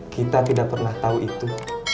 kita tidak pernah tahu itu